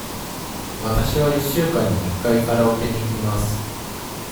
わたしは一週間に一回カラオケに行きます。